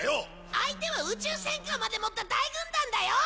相手は宇宙戦艦まで持った大軍団だよ？